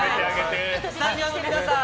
スタジオの皆さん